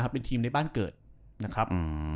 เป็นทีมในบ้านเกิดนะครับ